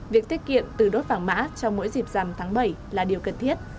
việc tiết kiệm từ đốt vàng mã trong mỗi dịp dằm tháng bảy là điều cần thiết